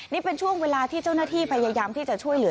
นี่เป็นช่วงเวลาที่เจ้าหน้าที่พยายามที่จะช่วยเหลือ